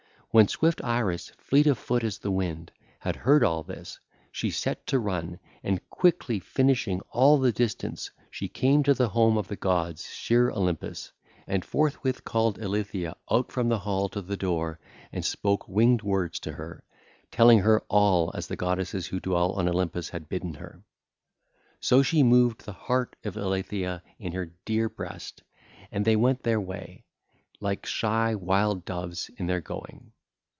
When swift Iris, fleet of foot as the wind, had heard all this, she set to run; and quickly finishing all the distance she came to the home of the gods, sheer Olympus, and forthwith called Eilithyia out from the hall to the door and spoke winged words to her, telling her all as the goddesses who dwell on Olympus had bidden her. So she moved the heart of Eilithyia in her dear breast; and they went their way, like shy wild doves in their going.